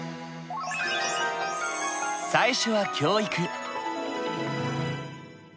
最初は教育。